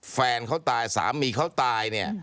แฟนเขาตายสามีเขาตายเนี่ย